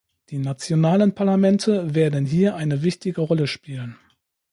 Die nationalen Parlamente werden hier eine wichtige Rolle spielen.